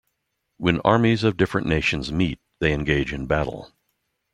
When armies of different nations meet, they engage in battle.